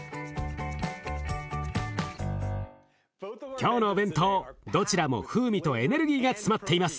今日のお弁当どちらも風味とエネルギーが詰まっています。